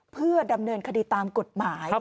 เพื่อดำเนินคดีตามกฎหมาย